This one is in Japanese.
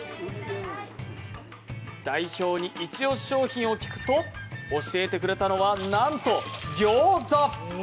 代表にイチオシ商品を聞くと、教えてくれたのは、なんとギョーザ。